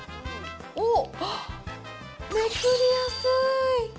おっ、あっ、めくりやすい！